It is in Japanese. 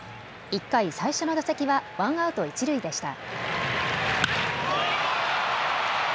１回、最初の打席はワンアウト一塁でした。